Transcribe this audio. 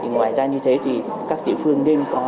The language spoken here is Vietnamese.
ngoài ra như thế các địa phương nên có